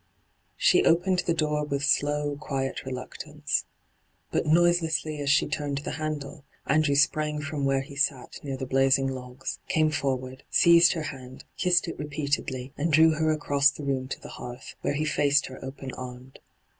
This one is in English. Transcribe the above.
She opened the door with slow, quiet reluctance. But noiselessly as she turned the handle, Andrew sprang from where he sat near the blazing logs, came for ward, seized her hand, kissed it repeatedly, and drew her across the room to the hearth, where he faced her open armed.